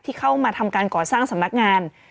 เข้ามาทำการก่อสร้างสำนักงาน